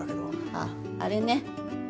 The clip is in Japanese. あああれね。